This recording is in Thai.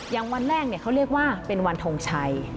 วันแรกเขาเรียกว่าเป็นวันทงชัย